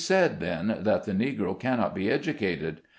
217 said, then, that the Negro cannot be educated.